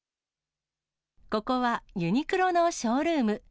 ここはユニクロのショールーム。